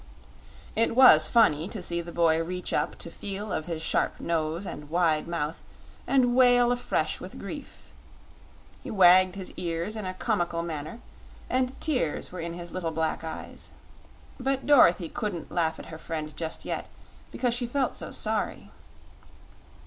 It was funny to see the boy reach up to feel of his sharp nose and wide mouth, and wail afresh with grief. He wagged his ears in a comical manner and tears were in his little black eyes. But Dorothy couldn't laugh at her friend just yet, because she felt so sorry.